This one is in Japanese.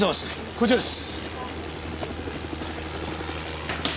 こちらです。